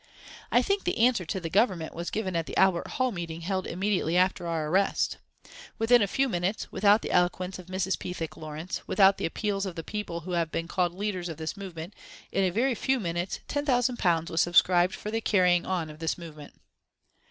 I think the answer to the Government was given at the Albert Hall meeting held immediately after our arrest. Within a few minutes, without the eloquence of Mrs. Pethick Lawrence, without the appeals of the people who have been called the leaders of this movement, in a very few minutes £10,000 was subscribed for the carrying on of this movement.